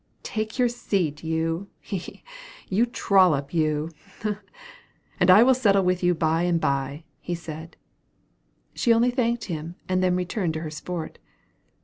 "Take your seat, you, he! he! you trollop, you, he! he! and I will settle with you by and bye," he said. She only thanked him, and then returned to her sport.